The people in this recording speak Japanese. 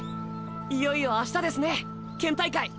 いよいよあしたですね県大会！